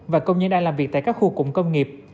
và công nhân đang làm việc tại các khu cụm công nghiệp